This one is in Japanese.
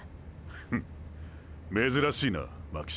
フッ珍しいな巻島。